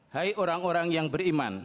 hai orang orang yang beriman